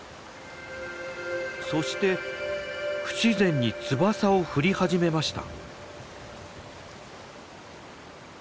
そして不自然に翼を振り始めました。